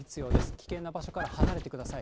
危険な場所から離れてください。